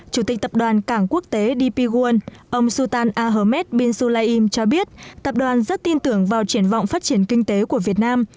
chủ tịch tập đoàn cảng quốc tế dp world ông sultan ahmed bin sulaym cho biết tập đoàn rất tin tưởng vào triển vọng phát triển kinh tế của việt nam